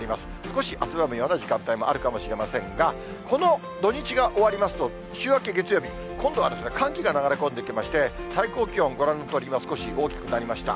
少し汗ばむような時間帯もあるかもしれませんが、この土日が終わりますと、週明け月曜日、今度は寒気が流れ込んできまして、最高気温、ご覧のとおり、今少し大きくなりました。